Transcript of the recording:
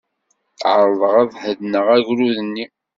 Ɛerḍeɣ ad heddneɣ agrud-nni.